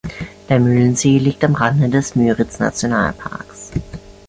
Der Mühlensee liegt am Rande des Müritz-Nationalparkes.